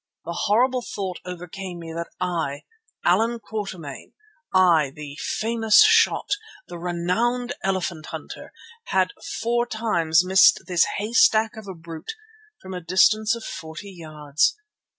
The horrible thought overcame me that I, Allan Quatermain, I the famous shot, the renowned elephant hunter, had four times missed this haystack of a brute from a distance of forty yards.